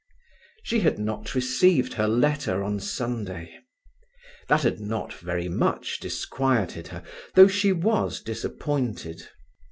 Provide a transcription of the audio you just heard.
She had not received her letter on Sunday. That had not very much disquieted her, though she was disappointed.